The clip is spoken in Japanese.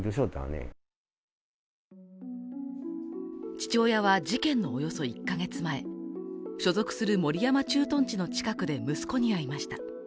父親は事件のおよそ１か月前所属する守山駐屯地の近くで息子に会いました。